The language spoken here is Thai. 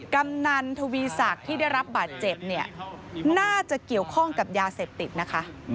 กำนันทวีศักดิ์ที่ได้รับบาดเจ็บเนี่ยน่าจะเกี่ยวข้องกับยาเสพติดนะคะ